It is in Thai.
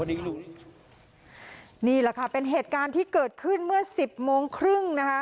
นี่แหละค่ะเป็นเหตุการณ์ที่เกิดขึ้นเมื่อสิบโมงครึ่งนะคะ